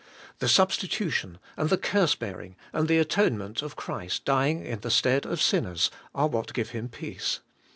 The substitution, and the curse bearing, and the atone ment of Christ dying in the stead of sinners, are what give him peace.